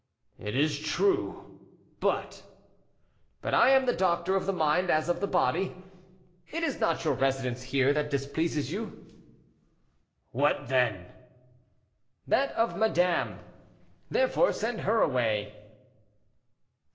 "It is true, but " "But I am the doctor of the mind as of the body; it is not your residence here that displeases you." "What then?" "That of madame; therefore send her away."